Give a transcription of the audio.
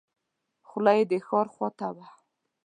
خوله یې د ښار خواته وه.